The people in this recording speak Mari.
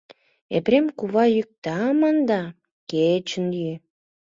— Епрем кува йӱкта, ман да, — кечын йӱ!